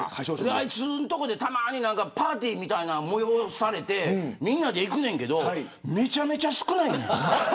あいつんとこで、たまにパーティーみたいなのが催されてみんなで行くねんけどめちゃめちゃ少ないで。